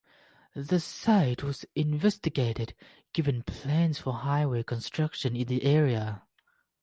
The site was investigated given plans for highway construction in the area.